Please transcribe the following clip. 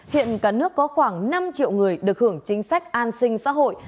hiện cả nước có khoảng năm triệu người được hưởng chính sách an sinh xã hội